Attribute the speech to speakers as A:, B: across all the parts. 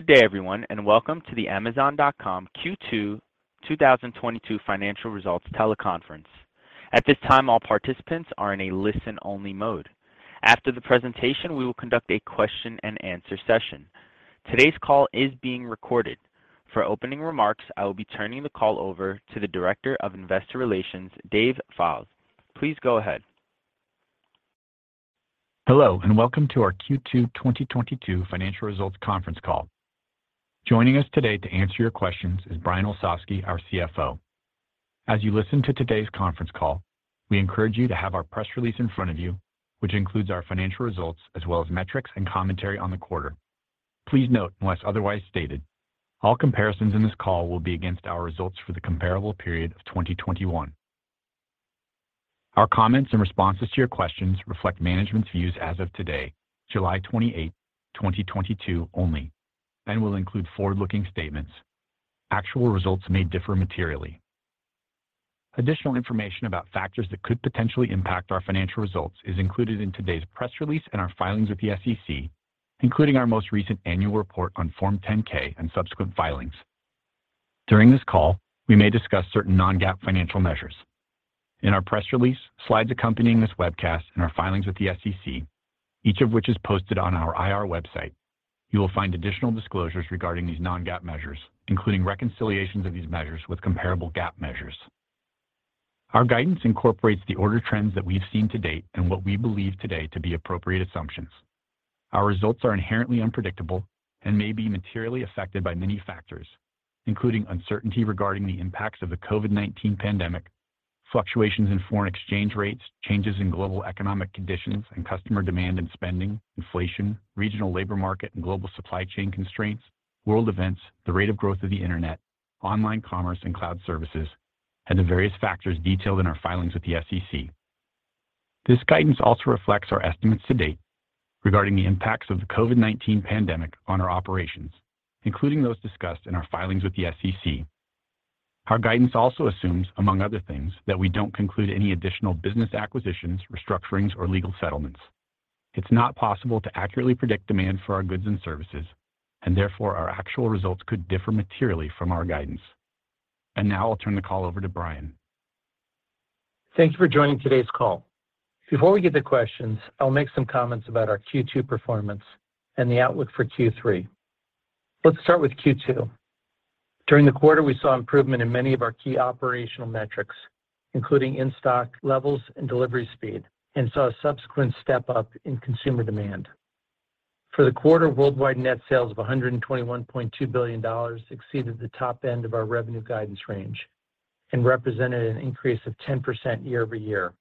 A: Good day, everyone, and welcome to the Amazon.com Q2 2022 Financial Results Teleconference. At this time, all participants are in a listen-only mode. After the presentation, we will conduct a question and answer session. Today's call is being recorded. For opening remarks, I will be turning the call over to the Director of Investor Relations, Dave Fildes. Please go ahead.
B: Hello and welcome to our Q2 2022 financial results conference call. Joining us today to answer your questions is Brian Olsavsky, our CFO. As you listen to today's conference call, we encourage you to have our press release in front of you, which includes our financial results as well as metrics and commentary on the quarter. Please note, unless otherwise stated, all comparisons in this call will be against our results for the comparable period of 2021. Our comments and responses to your questions reflect management's views as of today, July 28, 2022 only, and will include forward-looking statements. Actual results may differ materially. Additional information about factors that could potentially impact our financial results is included in today's press release in our filings with the SEC, including our most recent annual report on Form 10-K and subsequent filings. During this call, we may discuss certain non-GAAP financial measures. In our press release, slides accompanying this webcast, and our filings with the SEC, each of which is posted on our IR website, you will find additional disclosures regarding these non-GAAP measures, including reconciliations of these measures with comparable GAAP measures. Our guidance incorporates the order trends that we've seen to date and what we believe today to be appropriate assumptions. Our results are inherently unpredictable and may be materially affected by many factors, including uncertainty regarding the impacts of the COVID-19 pandemic, fluctuations in foreign exchange rates, changes in global economic conditions and customer demand and spending, inflation, regional labor market and global supply chain constraints, world events, the rate of growth of the Internet, online commerce and cloud services, and the various factors detailed in our filings with the SEC. This guidance also reflects our estimates to date regarding the impacts of the COVID-19 pandemic on our operations, including those discussed in our filings with the SEC. Our guidance also assumes, among other things, that we don't conclude any additional business acquisitions, restructurings, or legal settlements. It's not possible to accurately predict demand for our goods and services, and therefore, our actual results could differ materially from our guidance. Now I'll turn the call over to Brian.
C: Thank you for joining today's call. Before we get to questions, I'll make some comments about our Q2 performance and the outlook for Q3. Let's start with Q2. During the quarter, we saw improvement in many of our key operational metrics, including in-stock levels and delivery speed, and saw a subsequent step-up in consumer demand. For the quarter, worldwide net sales of $121.2 billion exceeded the top end of our revenue guidance range and represented an increase of 10% year-over-year,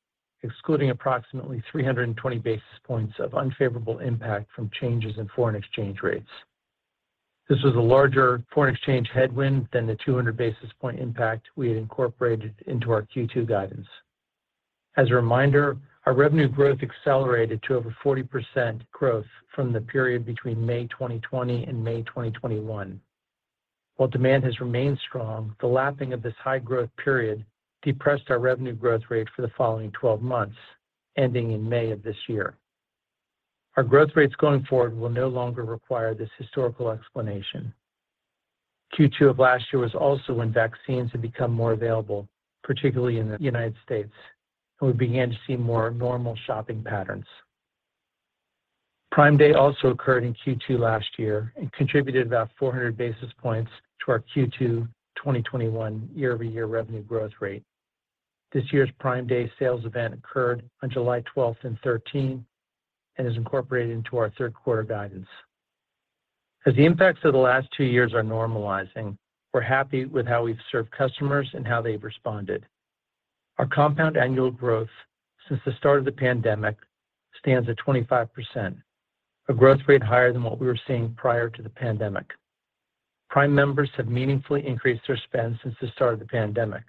C: excluding approximately 320 basis points of unfavorable impact from changes in foreign exchange rates. This was a larger foreign exchange headwind than the 200 basis point impact we had incorporated into our Q2 guidance. As a reminder, our revenue growth accelerated to over 40% growth from the period between May 2020 and May 2021. While demand has remained strong, the lapping of this high growth period depressed our revenue growth rate for the following 12 months, ending in May of this year. Our growth rates going forward will no longer require this historical explanation. Q2 of last year was also when vaccines had become more available, particularly in the United States, and we began to see more normal shopping patterns. Prime Day also occurred in Q2 last year and contributed about 400 basis points to our Q2 2021 year-over-year revenue growth rate. This year's Prime Day sales event occurred on July 12th and 13th and is incorporated into our third quarter guidance. As the impacts of the last two years are normalizing, we're happy with how we've served customers and how they've responded. Our compound annual growth since the start of the pandemic stands at 25%, a growth rate higher than what we were seeing prior to the pandemic. Prime members have meaningfully increased their spend since the start of the pandemic.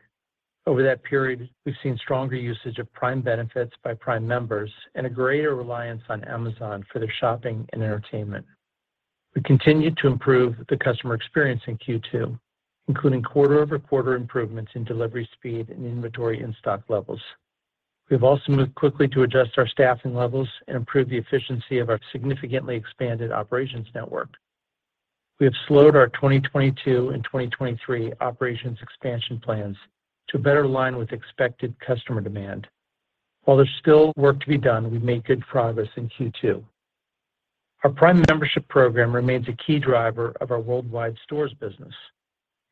C: Over that period, we've seen stronger usage of Prime benefits by Prime members and a greater reliance on Amazon for their shopping and entertainment. We continued to improve the customer experience in Q2, including quarter-over-quarter improvements in delivery speed and inventory in-stock levels. We have also moved quickly to adjust our staffing levels and improve the efficiency of our significantly expanded operations network. We have slowed our 2022 and 2023 operations expansion plans to better align with expected customer demand. While there's still work to be done, we've made good progress in Q2. Our Prime membership program remains a key driver of our worldwide stores business,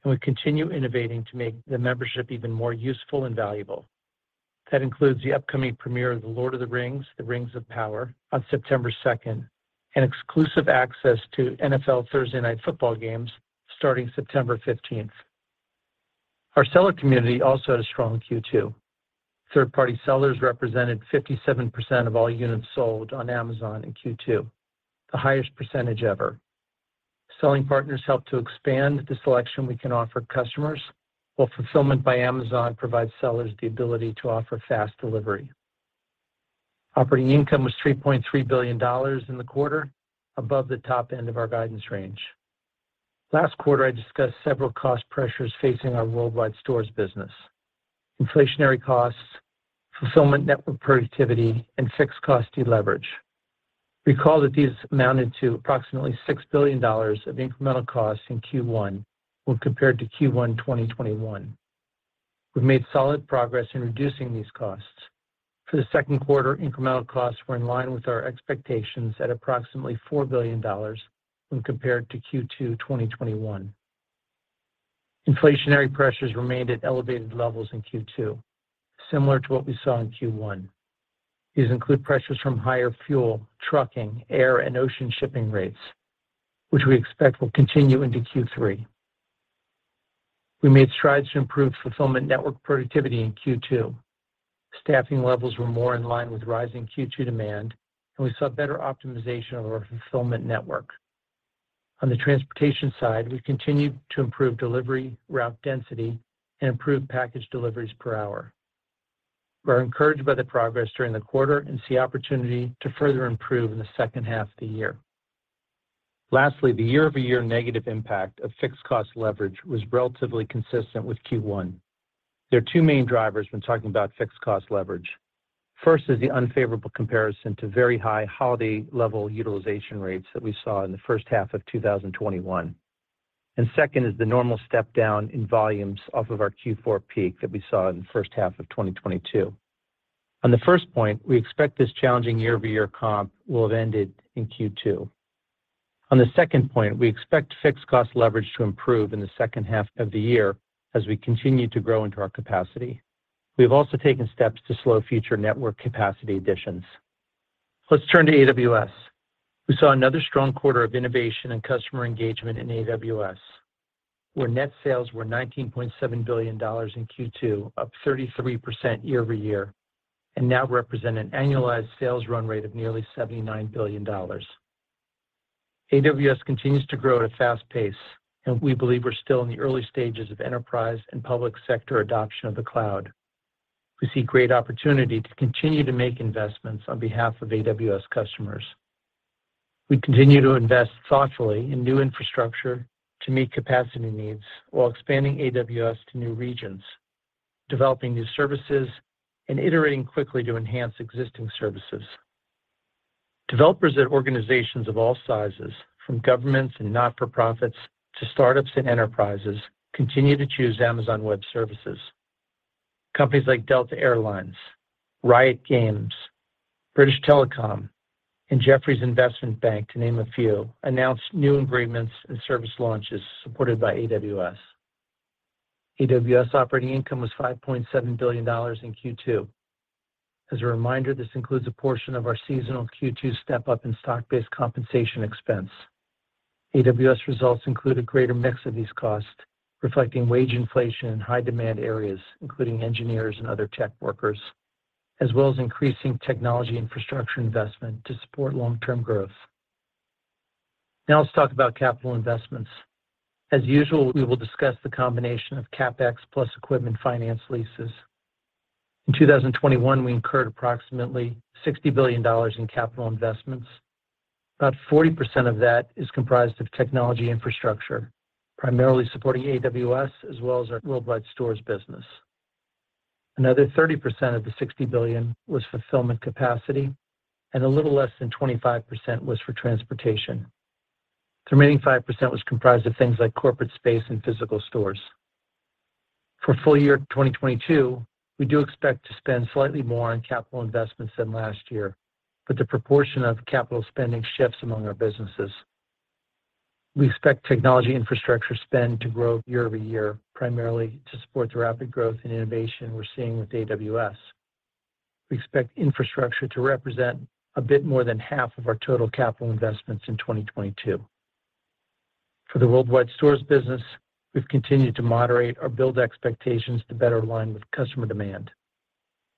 C: and we continue innovating to make the membership even more useful and valuable. That includes the upcoming premiere of The Lord of the Rings: The Rings of Power on September 2nd, and exclusive access to NFL Thursday Night Football games starting September 15th. Our seller community also had a strong Q2. Third-party sellers represented 57% of all units sold on Amazon in Q2, the highest percentage ever. Selling partners help to expand the selection we can offer customers, while Fulfillment by Amazon provides sellers the ability to offer fast delivery. Operating income was $3.3 billion in the quarter, above the top end of our guidance range. Last quarter, I discussed several cost pressures facing our worldwide stores business. Inflationary costs, fulfillment network productivity, and fixed cost deleverage. Recall that these amounted to approximately $6 billion of incremental costs in Q1 when compared to Q1 2021. We've made solid progress in reducing these costs. For the second quarter, incremental costs were in line with our expectations at approximately $4 billion when compared to Q2 2021. Inflationary pressures remained at elevated levels in Q2, similar to what we saw in Q1. These include pressures from higher fuel, trucking, air, and ocean shipping rates, which we expect will continue into Q3. We made strides to improve fulfillment network productivity in Q2. Staffing levels were more in line with rising Q2 demand, and we saw better optimization of our fulfillment network. On the transportation side, we continued to improve delivery route density and improved package deliveries per hour. We are encouraged by the progress during the quarter and see opportunity to further improve in the second half of the year. Lastly, the year-over-year negative impact of fixed cost leverage was relatively consistent with Q1. There are two main drivers when talking about fixed cost leverage. First is the unfavorable comparison to very high holiday level utilization rates that we saw in the first half of 2021. Second is the normal step down in volumes off of our Q4 peak that we saw in the first half of 2022. On the first point, we expect this challenging year-over-year comp will have ended in Q2. On the second point, we expect fixed cost leverage to improve in the second half of the year as we continue to grow into our capacity. We have also taken steps to slow future network capacity additions. Let's turn to AWS. We saw another strong quarter of innovation and customer engagement in AWS, where net sales were $19.7 billion in Q2, up 33% year-over-year, and now represent an annualized sales run rate of nearly $79 billion. AWS continues to grow at a fast pace, and we believe we're still in the early stages of enterprise and public sector adoption of the cloud. We see great opportunity to continue to make investments on behalf of AWS customers. We continue to invest thoughtfully in new infrastructure to meet capacity needs while expanding AWS to new regions, developing new services, and iterating quickly to enhance existing services. Developers at organizations of all sizes, from governments and not-for-profits to startups and enterprises, continue to choose Amazon Web Services. Companies like Delta Air Lines, Riot Games, British Telecom, and Jefferies Investment Bank, to name a few, announced new agreements and service launches supported by AWS. AWS operating income was $5.7 billion in Q2. As a reminder, this includes a portion of our seasonal Q2 step-up in stock-based compensation expense. AWS results include a greater mix of these costs, reflecting wage inflation in high-demand areas, including engineers and other tech workers, as well as increasing technology infrastructure investment to support long-term growth. Now let's talk about capital investments. As usual, we will discuss the combination of CapEx plus equipment finance leases. In 2021, we incurred approximately $60 billion in capital investments. About 40% of that is comprised of technology infrastructure, primarily supporting AWS as well as our Worldwide Stores business. Another 30% of the $60 billion was fulfillment capacity, and a little less than 25% was for transportation. The remaining 5% was comprised of things like corporate space and physical stores. For full year 2022, we do expect to spend slightly more on capital investments than last year, but the proportion of capital spending shifts among our businesses. We expect technology infrastructure spend to grow year-over-year, primarily to support the rapid growth and innovation we're seeing with AWS. We expect infrastructure to represent a bit more than half of our total capital investments in 2022. For the Worldwide Stores business, we've continued to moderate our build expectations to better align with customer demand.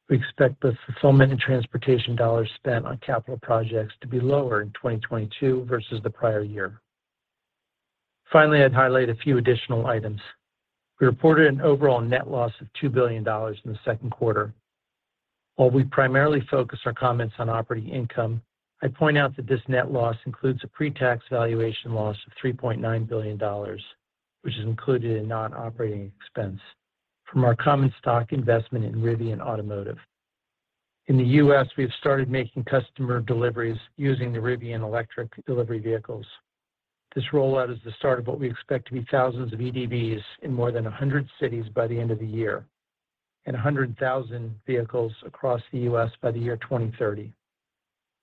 C: We expect the fulfillment and transportation dollars spent on capital projects to be lower in 2022 versus the prior year. Finally, I'd highlight a few additional items. We reported an overall net loss of $2 billion in the second quarter. While we primarily focus our comments on operating income, I'd point out that this net loss includes a pre-tax valuation loss of $3.9 billion, which is included in non-operating expense from our common stock investment in Rivian Automotive. In the U.S., we have started making customer deliveries using the Rivian electric delivery vehicles. This rollout is the start of what we expect to be thousands of EDVs in more than 100 cities by the end of the year and 100,000 vehicles across the U.S. by 2030.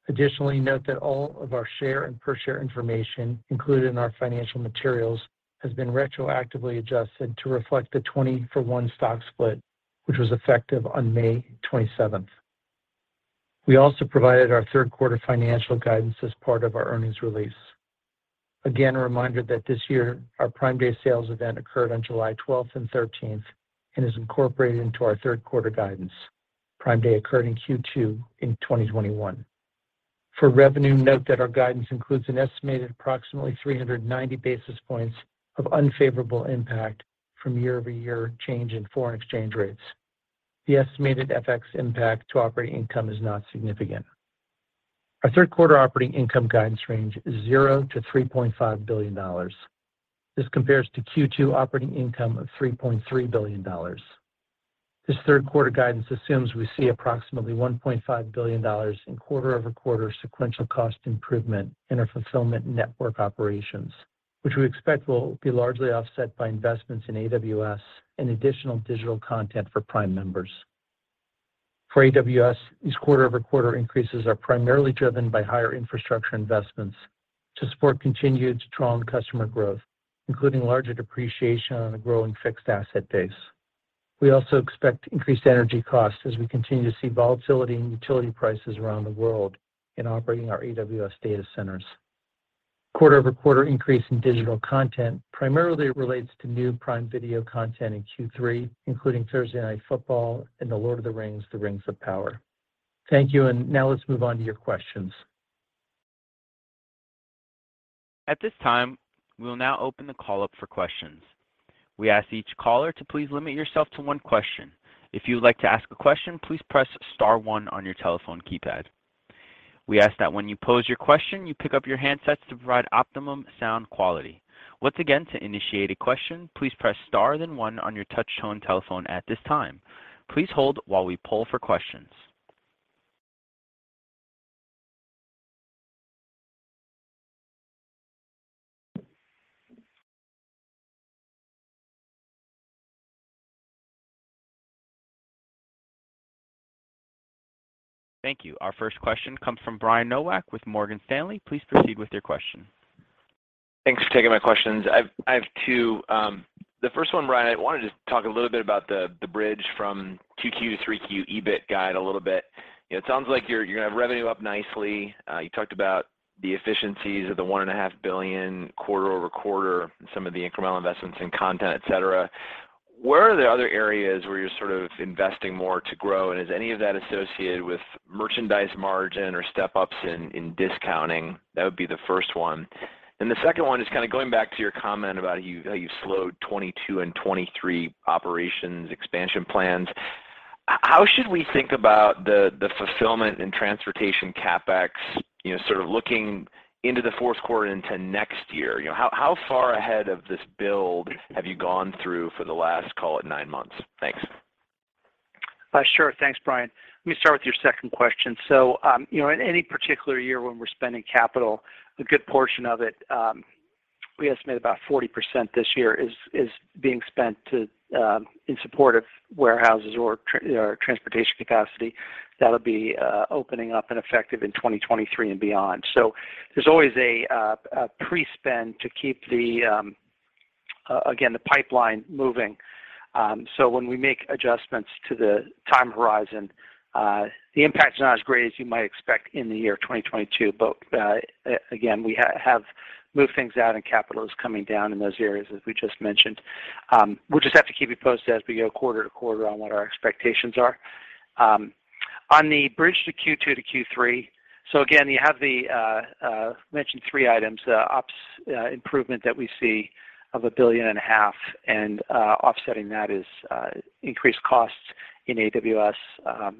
C: Additionally, note that all of our share and per share information included in our financial materials has been retroactively adjusted to reflect the 20-for-one stock split, which was effective on May 27th. We also provided our third quarter financial guidance as part of our earnings release. Again, a reminder that this year, our Prime Day sales event occurred on July 12th and 13th and is incorporated into our third quarter guidance. Prime Day occurred in Q2 in 2021. For revenue, note that our guidance includes an estimated approximately 390 basis points of unfavorable impact from year-over-year change in foreign exchange rates. The estimated FX impact to operating income is not significant. Our third quarter operating income guidance range is $0-$3.5 billion. This compares to Q2 operating income of $3.3 billion. This third quarter guidance assumes we see approximately $1.5 billion in quarter-over-quarter sequential cost improvement in our fulfillment network operations, which we expect will be largely offset by investments in AWS and additional digital content for Prime members. For AWS, these quarter-over-quarter increases are primarily driven by higher infrastructure investments to support continued strong customer growth, including larger depreciation on a growing fixed asset base. We also expect increased energy costs as we continue to see volatility in utility prices around the world in operating our AWS data centers. Quarter-over-quarter increase in digital content primarily relates to new Prime Video content in Q3, including Thursday Night Football and The Lord of the Rings: The Rings of Power. Thank you. Now let's move on to your questions.
A: At this time, we will now open the call up for questions. We ask each caller to please limit yourself to one question. If you would like to ask a question, please press star one on your telephone keypad. We ask that when you pose your question, you pick up your handsets to provide optimum sound quality. Once again, to initiate a question, please press star, then one on your touch-tone telephone at this time. Please hold while we poll for questions. Thank you. Our first question comes from Brian Nowak with Morgan Stanley. Please proceed with your question.
D: Thanks for taking my questions. I have two, the first one, Brian, I wanted to talk a little bit about the bridge from Q2 to Q3 EBIT guide a little bit. You know, it sounds like you're gonna have revenue up nicely. You talked about the efficiencies of the $1.5 billion quarter-over-quarter and some of the incremental investments in content, et cetera. Where are the other areas where you're sort of investing more to grow? And is any of that associated with merchandise margin or step-ups in discounting? That would be the first one. The second one is kind of going back to your comment about how you slowed 2022 and 2023 operations expansion plans. How should we think about the fulfillment and transportation CapEx, you know, sort of looking into the fourth quarter into next year? You know, how far ahead of this build have you gone through for the last, call it, nine months? Thanks.
C: Sure. Thanks, Brian. Let me start with your second question. You know, in any particular year when we're spending capital, a good portion of it, we estimate about 40% this year is being spent to in support of warehouses or transportation capacity that'll be opening up and effective in 2023 and beyond. There's always a pre-spend to keep the pipeline moving. When we make adjustments to the time horizon, the impact is not as great as you might expect in the year 2022. We have moved things out and capital is coming down in those areas, as we just mentioned. We'll just have to keep you posted as we go quarter to quarter on what our expectations are. On the bridge to Q2 to Q3, so again, you have the mentioned three items, the ops improvement that we see of $1.5 billion, and offsetting that is increased costs in AWS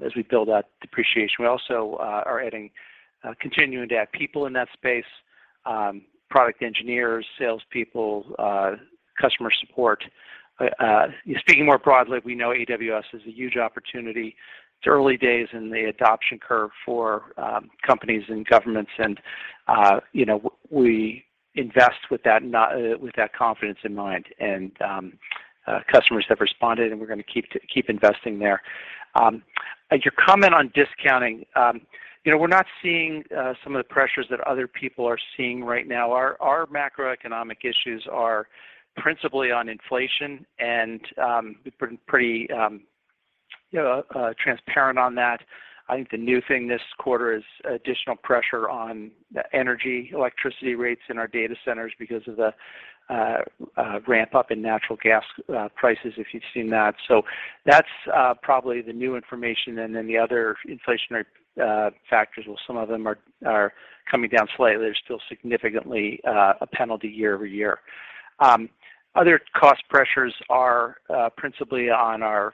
C: as we build out depreciation. We also are adding, continuing to add people in that space, product engineers, salespeople, customer support. Speaking more broadly, we know AWS is a huge opportunity. It's early days in the adoption curve for companies and governments and you know we invest with that confidence in mind. Customers have responded, and we're gonna keep investing there. Your comment on discounting, you know, we're not seeing some of the pressures that other people are seeing right now. Our macroeconomic issues are principally on inflation, and we've been pretty, you know, transparent on that. I think the new thing this quarter is additional pressure on the energy, electricity rates in our data centers because of the ramp up in natural gas prices, if you've seen that. That's probably the new information. Then the other inflationary factors, well, some of them are coming down slightly. There's still significantly a penalty year over year. Other cost pressures are principally on our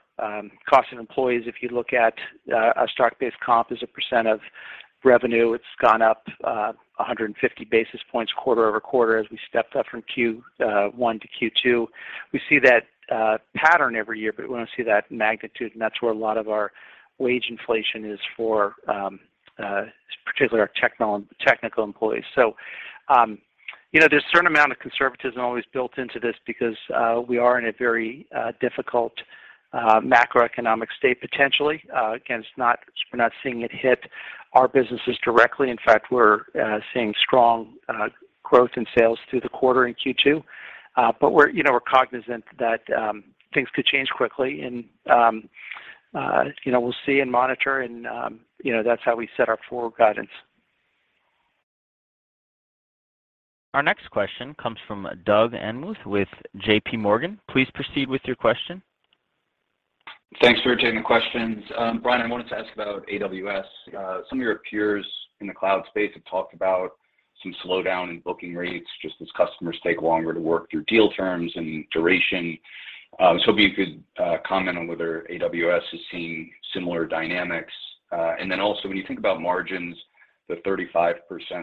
C: cost of employees. If you look at a stock-based comp as a % of revenue, it's gone up 150 basis points quarter-over-quarter as we stepped up from Q1 to Q2. We see that pattern every year, but we don't see that magnitude, and that's where a lot of our wage inflation is for, particularly our technical employees. You know, there's a certain amount of conservatism always built into this because we are in a very difficult macroeconomic state potentially. Again, we're not seeing it hit our businesses directly. In fact, we're seeing strong growth in sales through the quarter in Q2. We're cognizant that things could change quickly, and you know, we'll see and monitor, and you know, that's how we set our forward guidance.
A: Our next question comes from Doug Anmuth with JPMorgan. Please proceed with your question.
E: Thanks for taking the questions. Brian, I wanted to ask about AWS. Some of your peers in the cloud space have talked about some slowdown in booking rates just as customers take longer to work through deal terms and duration. If you could comment on whether AWS is seeing similar dynamics. Also, when you think about margins, the 35%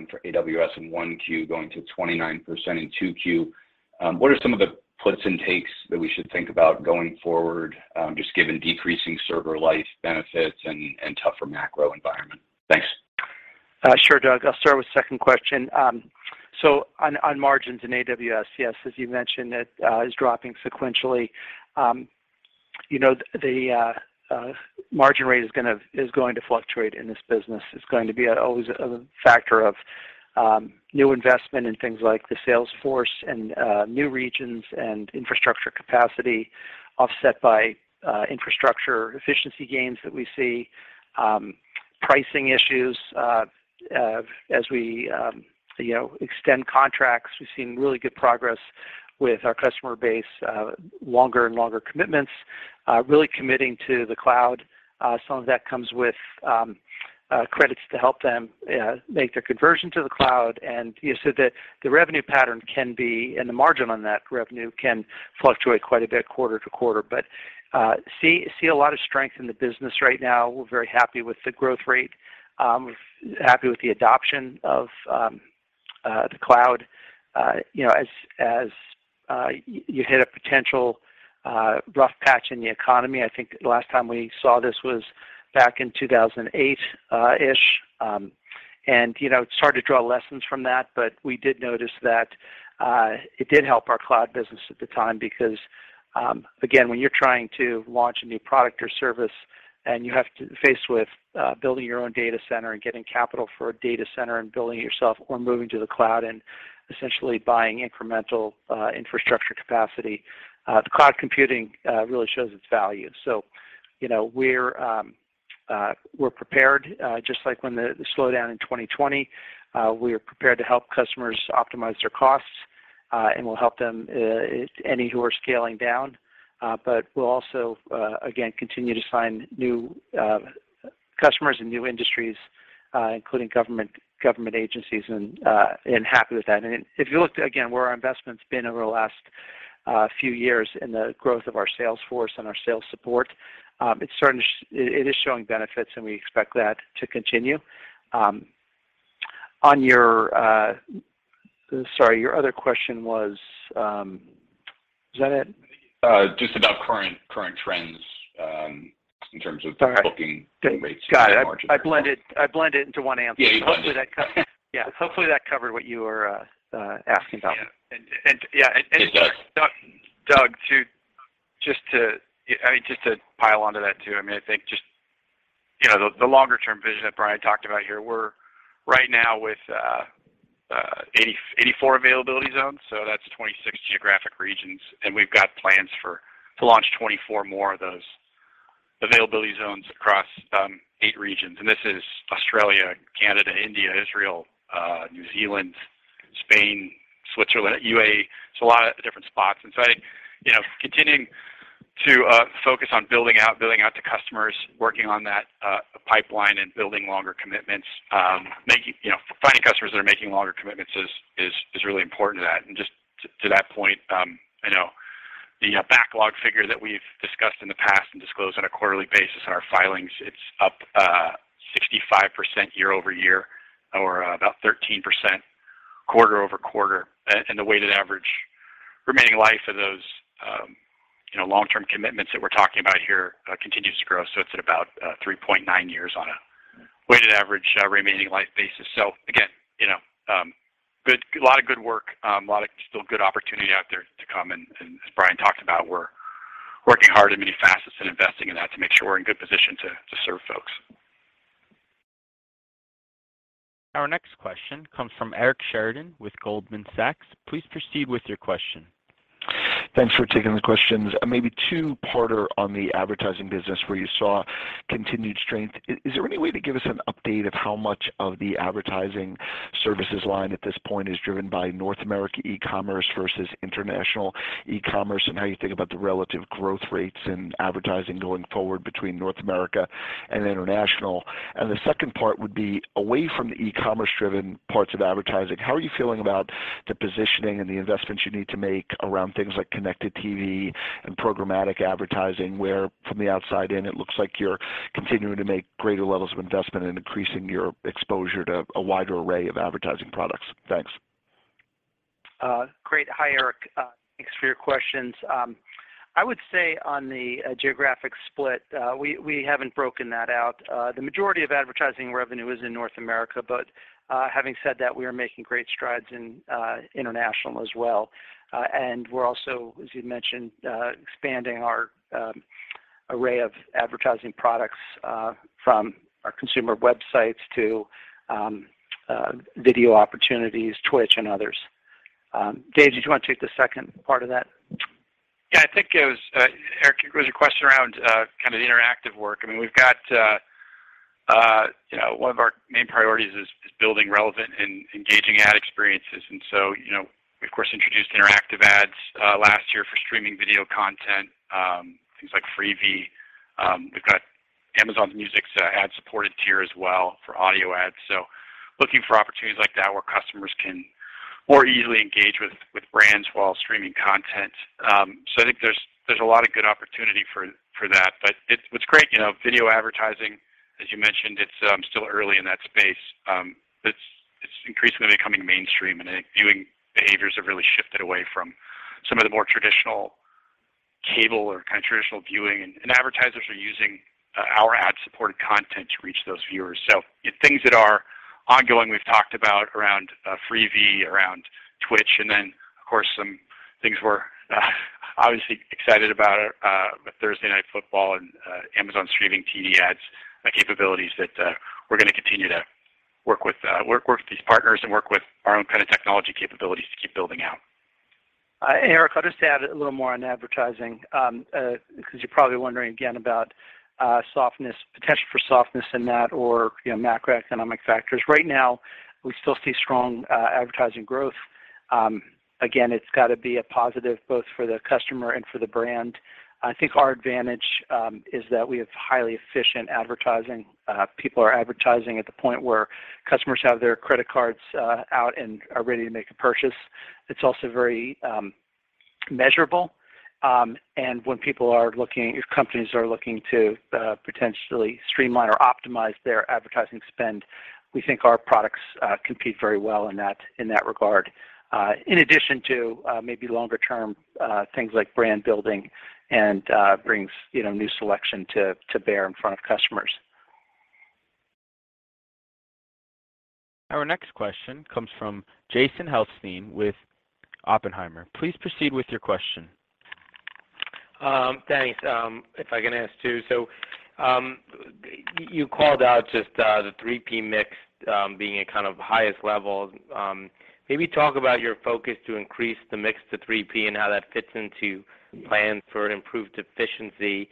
E: for AWS in 1Q going to 29% in 2Q, what are some of the puts and takes that we should think about going forward, just given decreasing server life benefits and tougher macro environment? Thanks.
C: Sure, Doug. I'll start with the second question. So on margins in AWS, yes, as you mentioned, it is dropping sequentially. You know, the margin rate is going to fluctuate in this business. It's going to be always a factor of new investment in things like the sales force and new regions and infrastructure capacity offset by infrastructure efficiency gains that we see, pricing issues, as we, you know, extend contracts. We've seen really good progress with our customer base, longer and longer commitments, really committing to the cloud. Some of that comes with credits to help them make their conversion to the cloud. Yeah, so the revenue pattern can be, and the margin on that revenue can fluctuate quite a bit quarter to quarter. See a lot of strength in the business right now. We're very happy with the growth rate, happy with the adoption of the cloud. You know, as you hit a potential rough patch in the economy, I think the last time we saw this was back in 2008-ish. You know, it's hard to draw lessons from that, but we did notice that it did help our cloud business at the time because again, when you're trying to launch a new product or service and faced with building your own data center and getting capital for a data center and building it yourself or moving to the cloud and essentially buying incremental infrastructure capacity, the cloud computing really shows its value. You know, we're prepared, just like when the slowdown in 2020, we are prepared to help customers optimize their costs, and we'll help them any who are scaling down. But we'll also, again, continue to sign new customers in new industries, including government agencies and happy with that. If you looked again where our investment's been over the last few years in the growth of our sales force and our sales support, it is showing benefits, and we expect that to continue. On your, sorry, your other question was that it?
E: Just about current trends in terms of.
C: Sorry.
E: booking rates.
C: Got it. I blended it into one answer.
E: Yeah, you blended it.
C: Hopefully that covered. Yeah. Hopefully that covered what you were asking about.
B: Yeah.
E: It does.
B: Doug, just to pile onto that too, I mean, I think just you know the longer-term vision that Brian talked about here, we're right now with 84 availability zones, so that's 26 geographic regions, and we've got plans to launch 24 more of those availability zones across eight regions. This is Australia, Canada, India, Israel, New Zealand, Spain, Switzerland, UAE. It's a lot of different spots. I think you know continuing to focus on building out to customers, working on that pipeline and building longer commitments, you know finding customers that are making longer commitments is really important to that. Just to that point, you know, the backlog figure that we've discussed in the past and disclosed on a quarterly basis in our filings, it's up 65% year-over-year or about 13% quarter-over-quarter. The weighted average remaining life of those, you know, long-term commitments that we're talking about here, continues to grow, so it's at about 3.9 years on a weighted average remaining life basis. Again, you know, a lot of good work, a lot of still good opportunity out there to come, and as Brian talked about, we're working hard in many facets and investing in that to make sure we're in good position to serve folks.
A: Our next question comes from Eric Sheridan with Goldman Sachs. Please proceed with your question.
F: Thanks for taking the questions. Maybe two-parter on the advertising business where you saw continued strength. Is there any way to give us an update of how much of the advertising services line at this point is driven by North America e-commerce versus international e-commerce, and how you think about the relative growth rates in advertising going forward between North America and international? The second part would be, away from the e-commerce driven parts of advertising, how are you feeling about the positioning and the investments you need to make around things like connected TV and programmatic advertising, where from the outside in, it looks like you're continuing to make greater levels of investment and increasing your exposure to a wider array of advertising products? Thanks.
C: Great. Hi, Eric. Thanks for your questions. I would say on the geographic split, we haven't broken that out. The majority of advertising revenue is in North America, but having said that, we are making great strides in international as well. We're also, as you'd mentioned, expanding our array of advertising products from our consumer websites to video opportunities, Twitch and others. Dave, did you want to take the second part of that?
B: Yeah. I think it was Eric, it was a question around kinda the interactive work. I mean, we've got, you know, one of our main priorities is building relevant and engaging ad experiences. You know, we, of course, introduced interactive ads last year for streaming video content, things like Freevee. We've got Amazon Music's ad-supported tier as well for audio ads. Looking for opportunities like that where customers can more easily engage with brands while streaming content. I think there's a lot of good opportunity for that. What's great, you know, video advertising, as you mentioned, it's still early in that space. It's increasingly becoming mainstream, and viewing behaviors have really shifted away from some of the more traditional cable or kind of traditional viewing. Advertisers are using our ad-supported content to reach those viewers. Things that are ongoing we've talked about around Freevee, around Twitch, and then of course some things we're obviously excited about with Thursday Night Football and Amazon streaming TV ads capabilities that we're gonna continue to work with these partners and work with our own kind of technology capabilities to keep building out.
C: Eric, I'll just add a little more on advertising, because you're probably wondering again about softness, potential for softness in that or, you know, macroeconomic factors. Right now, we still see strong advertising growth. Again, it's got to be a positive both for the customer and for the brand. I think our advantage is that we have highly efficient advertising. People are advertising at the point where customers have their credit cards out and are ready to make a purchase. It's also very measurable. When people are looking. If companies are looking to potentially streamline or optimize their advertising spend, we think our products compete very well in that regard, in addition to maybe longer term things like brand building and brings, you know, new selection to bear in front of customers.
A: Our next question comes from Jason Helfstein with Oppenheimer. Please proceed with your question.
G: Thanks. If I can ask two. You called out just the 3P mix being at kind of highest levels. Maybe talk about your focus to increase the mix to 3P and how that fits into plans for an improved efficiency.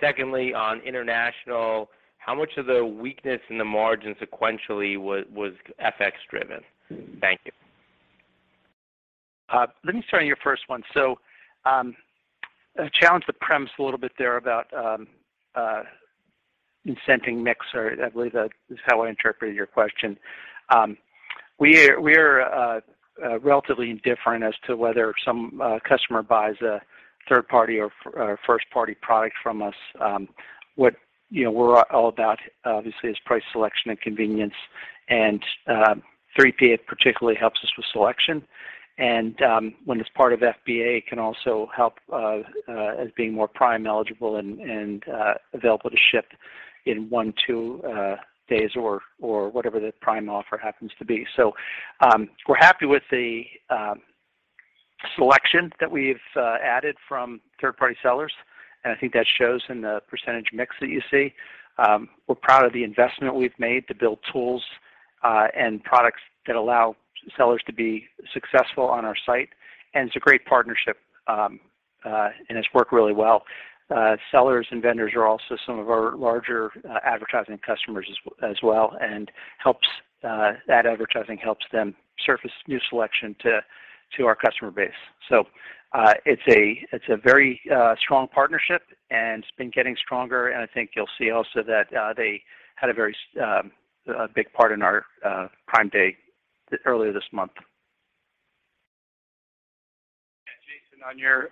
G: Secondly, on international, how much of the weakness in the margin sequentially was FX-driven? Thank you.
C: Let me start on your first one. I challenge the premise a little bit there about incenting mix, or I believe that is how I interpreted your question. We are relatively indifferent as to whether some customer buys a third-party or first-party product from us. What, you know, we're all about, obviously is price, selection, and convenience. 3P particularly helps us with selection. When it's part of FBA, it can also help as being more Prime eligible and available to ship in one, two days or whatever the Prime offer happens to be. We're happy with the selection that we've added from third-party sellers, and I think that shows in the percentage mix that you see. We're proud of the investment we've made to build tools and products that allow sellers to be successful on our site. It's a great partnership, and it's worked really well. Sellers and vendors are also some of our larger advertising customers as well, and that advertising helps them surface new selection to our customer base. It's a very strong partnership, and it's been getting stronger. I think you'll see also that they had a very big part in our Prime Day earlier this month.
B: Yeah, Jason, on your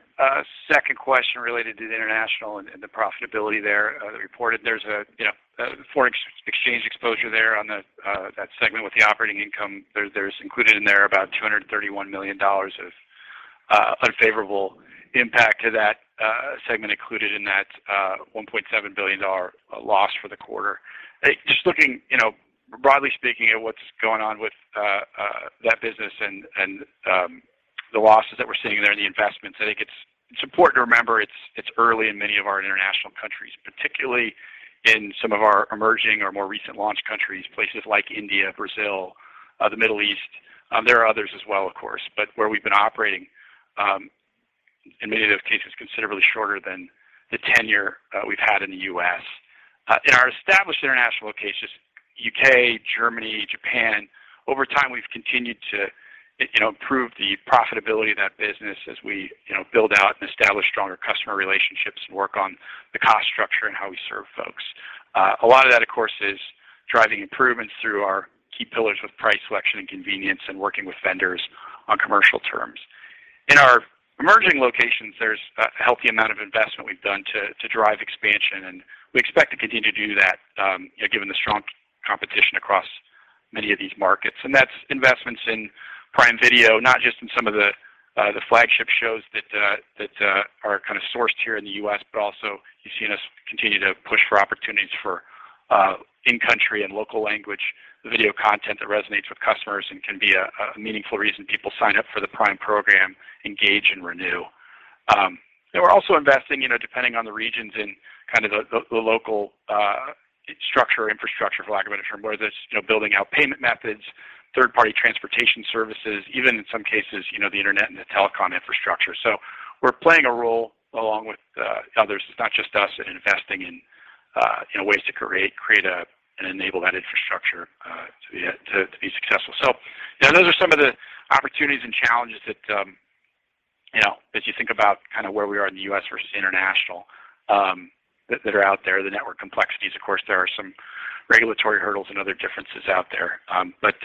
B: second question related to the international and the profitability there, reported, there's you know, forex exchange exposure there on that segment with the operating income. There's included in there about $231 million of unfavorable impact to that segment included in that $1.7 billion dollar loss for the quarter. Just looking you know, broadly speaking at what's going on with that business and the losses that we're seeing there and the investments, I think it's important to remember it's early in many of our international countries, particularly in some of our emerging or more recent launch countries, places like India, Brazil, the Middle East. There are others as well, of course, but where we've been operating in many of those cases considerably shorter than the tenure we've had in the U.S. In our established international locations, U.K., Germany, Japan, over time, we've continued to, you know, improve the profitability of that business as we, you know, build out and establish stronger customer relationships and work on the cost structure and how we serve folks. A lot of that, of course, is driving improvements through our key pillars with price, selection, and convenience, and working with vendors on commercial terms. In our emerging locations, there's a healthy amount of investment we've done to drive expansion, and we expect to continue to do that, given the strong competition across many of these markets. That's investments in Prime Video, not just in some of the flagship shows that are kind of sourced here in the U.S., but also you've seen us continue to push for opportunities for in-country and local language video content that resonates with customers and can be a meaningful reason people sign up for the Prime program, engage, and renew. We're also investing, you know, depending on the regions and kind of the local structure or infrastructure, for lack of better term, whether it's, you know, building out payment methods, third-party transportation services, even in some cases, you know, the internet and the telecom infrastructure. We're playing a role along with others. It's not just us investing in, you know, ways to create an enabled infrastructure to be successful. You know, those are some of the opportunities and challenges that.
C: You know, as you think about kind of where we are in the U.S. versus international, that are out there, the network complexities, of course, there are some regulatory hurdles and other differences out there.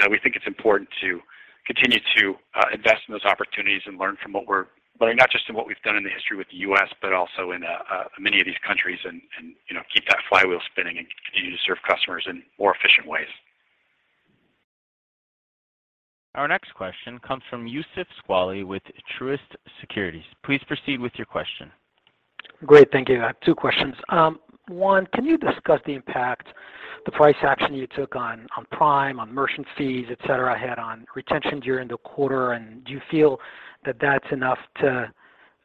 C: We think it's important to continue to invest in those opportunities and learn from what we're learning, not just in what we've done in the history with the U.S., but also in many of these countries and, you know, keep that flywheel spinning and continue to serve customers in more efficient ways.
A: Our next question comes from Youssef Squali with Truist Securities. Please proceed with your question.
H: Great. Thank you. I have two questions. One, can you discuss the impact, the price action you took on Prime, on merchant fees, et cetera, had on retention during the quarter? And do you feel that that's enough to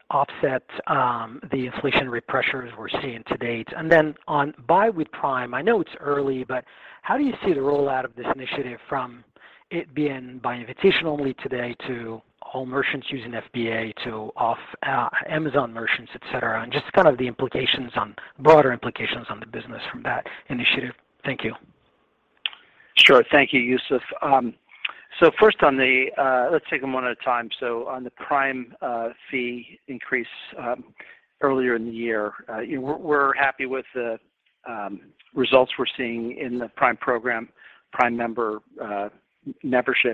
H: offset the inflationary pressures we're seeing to date? And then on Buy with Prime, I know it's early, but how do you see the rollout of this initiative from it being by invitation only today to all merchants using FBA to Amazon merchants, et cetera, and just kind of the broader implications on the business from that initiative? Thank you.
C: Sure. Thank you, Youssef. First, let's take them one at a time. On the Prime fee increase, earlier in the year, you know, we're happy with the results we're seeing in the Prime program. Prime membership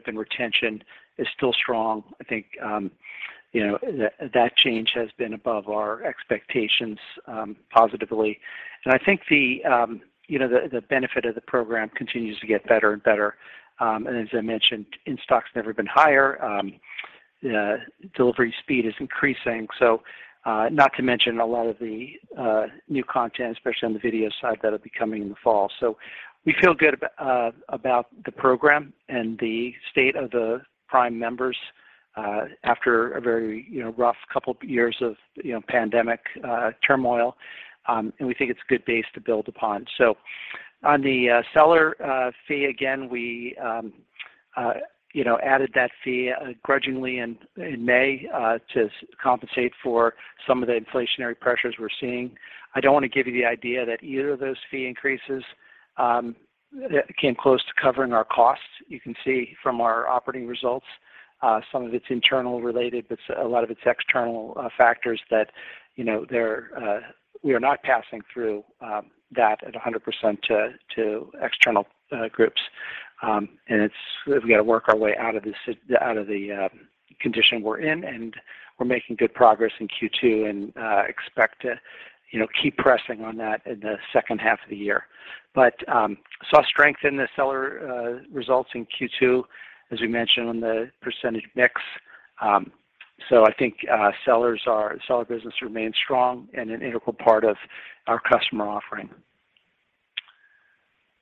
C: and retention is still strong. I think, you know, that change has been above our expectations, positively. I think the benefit of the program continues to get better and better. As I mentioned, in-stocks never been higher. Delivery speed is increasing, not to mention a lot of the new content, especially on the video side that'll be coming in the fall. We feel good about the program and the state of the Prime members after a very, you know, rough couple years of, you know, pandemic turmoil. We think it's a good base to build upon. On the seller fee, again, we you know added that fee grudgingly in May to compensate for some of the inflationary pressures we're seeing. I don't want to give you the idea that either of those fee increases came close to covering our costs. You can see from our operating results, some of it's internal related, but a lot of it's external factors that, you know, we are not passing through that at 100% to external groups. We got to work our way out of this, out of the condition we're in, and we're making good progress in Q2 and expect to, you know, keep pressing on that in the second half of the year. Saw strength in the seller results in Q2, as we mentioned on the percentage mix. I think seller business remains strong and an integral part of our customer offering.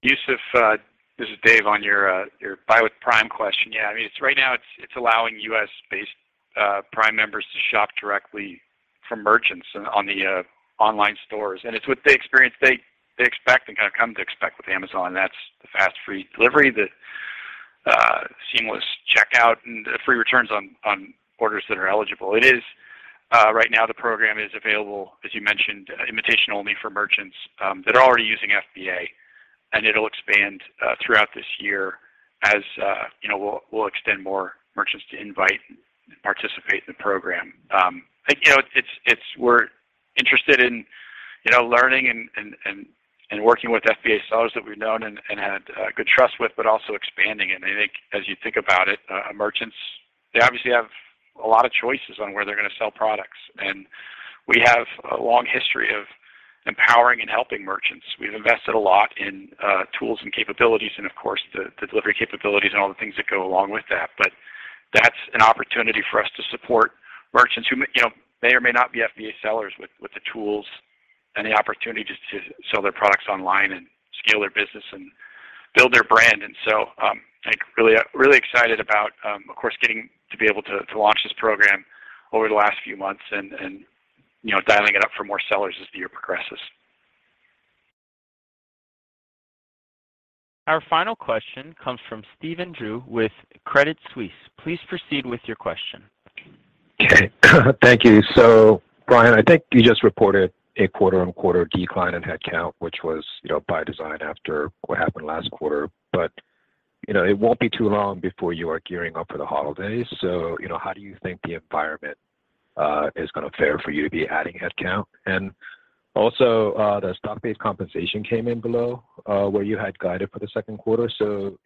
B: Youssef, this is Dave on your Buy with Prime question. Yeah, I mean, it's right now it's allowing U.S.-based Prime members to shop directly from merchants on the online stores. It's what they experience, they expect and come to expect with Amazon, and that's the fast, free delivery, the seamless checkout, and free returns on orders that are eligible. It is right now the program is available, as you mentioned, invitation only for merchants that are already using FBA, and it'll expand throughout this year as you know, we'll extend more merchants to invite and participate in the program. I think, you know, we're interested in, you know, learning and working with FBA sellers that we've known and had good trust with, but also expanding. I think as you think about it, merchants, they obviously have a lot of choices on where they're going to sell products. We have a long history of empowering and helping merchants. We've invested a lot in tools and capabilities and of course, the delivery capabilities and all the things that go along with that. That's an opportunity for us to support merchants who may, you know, may or may not be FBA sellers with the tools and the opportunity to sell their products online and scale their business and build their brand. I think really excited about of course, getting to be able to launch this program over the last few months and you know, dialing it up for more sellers as the year progresses.
A: Our final question comes from Stephen Ju with Credit Suisse. Please proceed with your question.
I: Okay. Thank you. Brian, I think you just reported a quarter-on-quarter decline in head count, which was, you know, by design after what happened last quarter. You know, it won't be too long before you are gearing up for the holidays. You know, how do you think the environment is gonna fair for you to be adding headcount? Also, the stock-based compensation came in below where you had guided for the second quarter.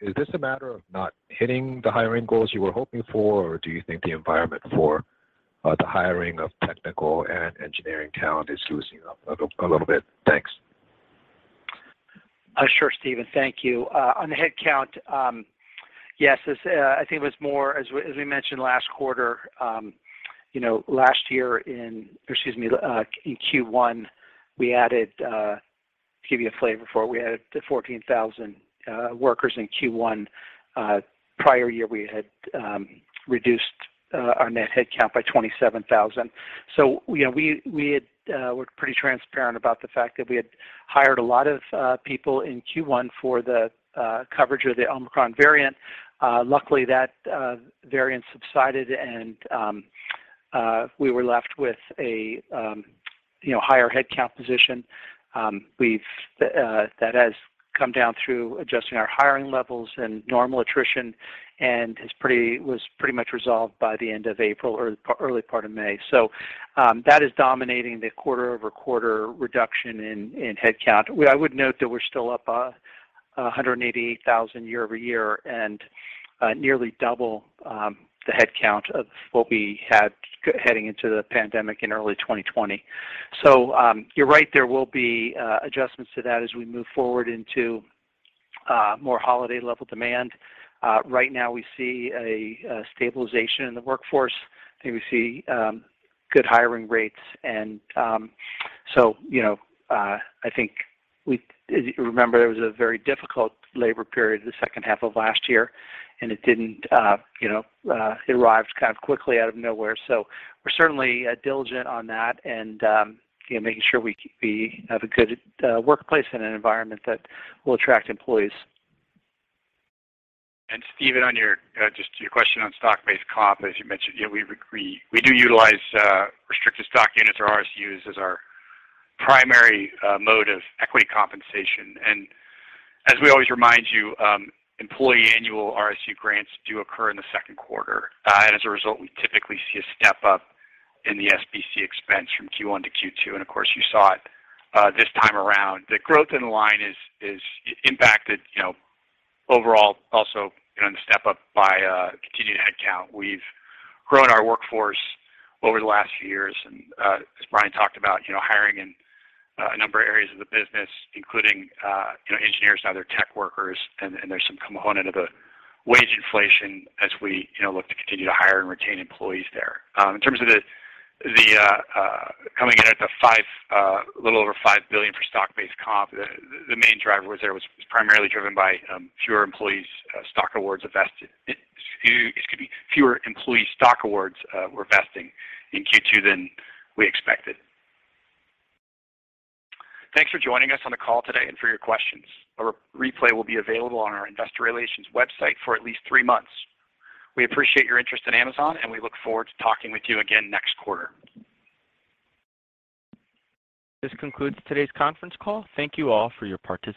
I: Is this a matter of not hitting the hiring goals you were hoping for, or do you think the environment for the hiring of technical and engineering talent is loosening up a little bit? Thanks.
C: Sure, Stephen. Thank you. On the headcount, yes, this, I think it was more as we mentioned last quarter, you know, last year in, excuse me, in Q1, we added, give you a flavor for it. We added 14,000 workers in Q1. Prior year, we had reduced our net headcount by 27,000. You know, we had, we're pretty transparent about the fact that we had hired a lot of people in Q1 for the coverage of the Omicron variant. Luckily, that variant subsided and we were left with a you know, higher headcount position. That has come down through adjusting our hiring levels and normal attrition, and was pretty much resolved by the end of April or early part of May. That is dominating the quarter-over-quarter reduction in headcount. I would note that we're still up 188,000 year-over-year and nearly double the headcount of what we had heading into the pandemic in early 2020. You're right, there will be adjustments to that as we move forward into more holiday level demand. Right now we see a stabilization in the workforce, and we see good hiring rates. I think, as you remember, there was a very difficult labor period the second half of last year, and it didn't, you know, it arrived kind of quickly out of nowhere. We're certainly diligent on that and, you know, making sure we have a good workplace and an environment that will attract employees.
B: Stephen, on your just your question on stock-based comp, as you mentioned, yeah, we do utilize restricted stock units or RSUs as our primary mode of equity compensation. As we always remind you, employee annual RSU grants do occur in the second quarter. As a result, we typically see a step-up in the SBC expense from Q1 to Q2, and of course you saw it this time around. The growth in the line is impacted, you know, overall also, you know, in the step-up by continued headcount. We've grown our workforce over the last few years. As Brian talked about, you know, hiring in a number of areas of the business, including you know, engineers and other tech workers. There's some component of a wage inflation as we, you know, look to continue to hire and retain employees there. In terms of coming in at a little over $5 billion for stock-based comp, the main driver was primarily driven by fewer employee stock awards vesting in Q2 than we expected. Thanks for joining us on the call today and for your questions. A replay will be available on our investor relations website for at least three months. We appreciate your interest in Amazon, and we look forward to talking with you again next quarter.
A: This concludes today's conference call. Thank you all for your participation.